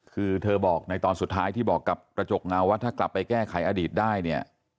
คือเธอบอกในตอนสุดท้ายที่บอกกับกระจกเงาว่าถ้ากลับไปแก้ไขอดีตได้เนี่ย